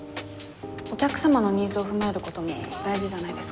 お客様のニーズを踏まえることも大事じゃないですか？